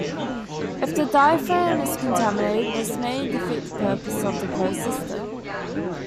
If the diaphragm is contaminated this may defeat the purpose of the closed system.